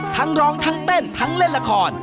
ทั้งร้องทั้งเต้นทั้งเล่นละคร